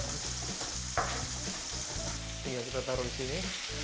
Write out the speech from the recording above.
tinggal kita taruh disini